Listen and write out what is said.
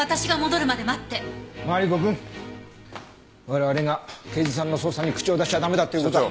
我々が刑事さんの捜査に口を出しちゃ駄目だっていう事は。